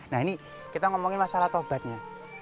nah ini kita ngomongin masalah tobatnya